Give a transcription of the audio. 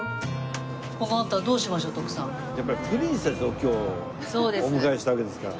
やっぱりプリンセスを今日お迎えしたわけですから。